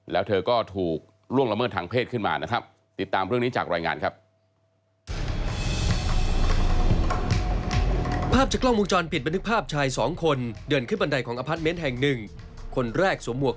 แล้วเธอก็ถูกล่วงดำเนินทางเพศขึ้นมานะครับ